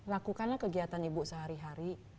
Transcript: lakukanlah kegiatan ibu sehari hari